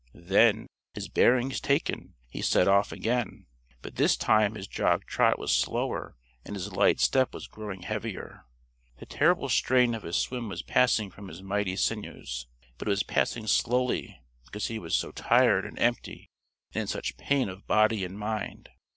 Then, his bearings taken, he set off again, but this time his jog trot was slower and his light step was growing heavier. The terrible strain of his swim was passing from his mighty sinews, but it was passing slowly because he was so tired and empty and in such pain of body and mind.